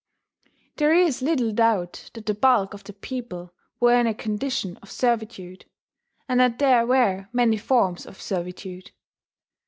... There is little doubt that the bulk of the people were in a condition of servitude, and that there were many forms of servitude.